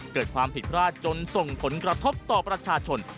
เกิดความผิดพลาดจนส่งผลกระทบต่อประชาชน